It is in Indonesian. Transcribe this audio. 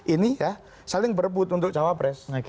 ini ya saling berebut untuk jawa press